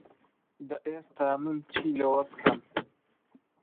دە ئێستا من چی لەوە بکەم؟